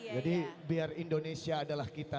jadi biar indonesia adalah kita